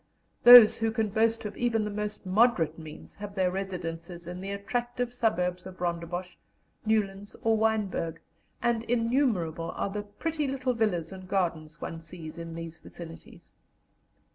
Those who can boast of even the most moderate means have their residences in the attractive suburbs of Rondebosch, Newlands, or Wynberg, and innumerable are the pretty little villas and gardens one sees in these vicinities.